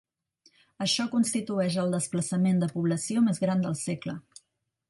Això constitueix el desplaçament de població més gran del segle.